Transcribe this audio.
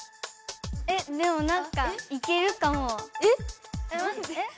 えでもなんかいけるかも。